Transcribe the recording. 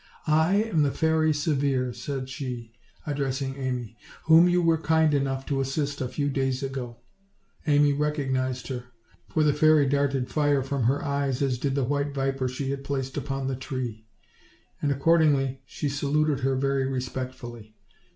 "I am the Fairy Severe," said she, addressing Amy, "whom you were kind enough to assist a few days ago." Amy recognized her, for the fairy darted fire from her eyes, as did the white viper she had placed upon the tree; and, accord ingly, she saluted her very respectfully.